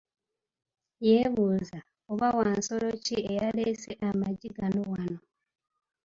Yebuuza, oba wansolo ki eyalesse amaggi gano wano?